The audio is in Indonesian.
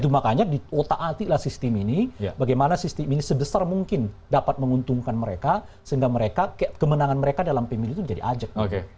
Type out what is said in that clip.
makanya diotak atiklah sistem ini bagaimana sistem ini sebesar mungkin dapat menguntungkan mereka sehingga mereka kemenangan mereka dalam pemilu itu jadi ajak